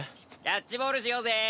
キャッチボールしようぜ。